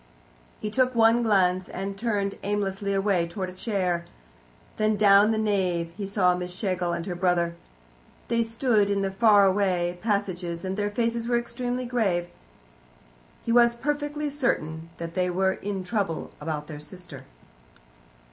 He took one glance, and turned aimlessly away towards a chair. Then down the nave he saw Miss Schlegel and her brother. They stood in the fairway of passengers, and their faces were extremely grave. He was perfectly certain that they were in trouble about their sister.